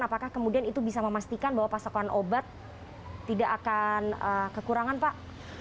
apakah kemudian itu bisa memastikan bahwa pasokan obat tidak akan kekurangan pak